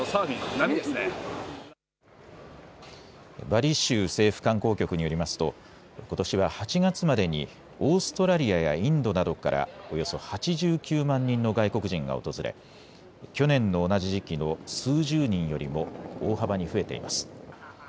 バリ州政府観光局によりますとことしは８月までにオーストラリアやインドなどからおよそ８９万人の外国人が訪れ、去年の同じ時期の数十人よりも大幅に増えています。